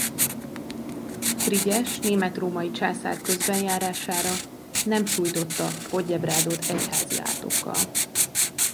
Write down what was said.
Frigyes német-római császár közbenjárására nem sújtotta Podjebrádot egyházi átokkal.